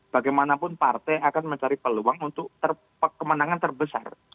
bagaimanapun partai akan mencari peluang untuk kemenangan terbesar